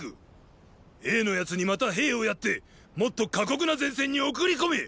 詠の奴にまた兵をやってもっと過酷な前線に送り込め！